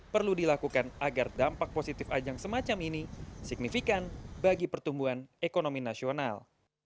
perlu dilakukan agar dampak positif ajang semacam ini signifikan bagi pertumbuhan ekonomi nasional